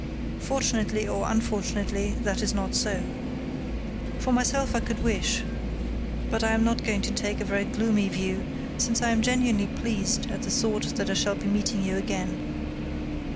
Fortunately or unfortunately that is not so. For myself I could wish but I am not going to take a very gloomy view since I am genuinely pleased at the thought that I shall be meeting you again.